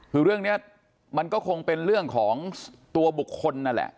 คือเรื่องนี้มันก็คงเป็นเรื่องของตัวบุคคลนั่นแหละ